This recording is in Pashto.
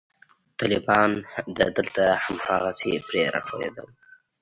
طلبا به دلته هم هماغسې پرې راټولېدل.